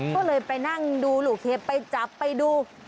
ก็เลยไปนั่งดูลูกเห็บไปจับไปดู